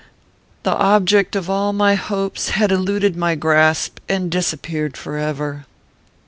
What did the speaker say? The object of all my hopes had eluded my grasp, and disappeared forever.